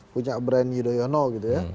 punya brand yudhoyono gitu ya